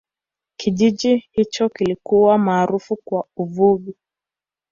kijiji hicho kilikuwa maarufu kwa uvuvi